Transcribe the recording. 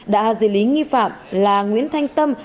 đã giới lý nghi phạm là nguyễn thanh tâm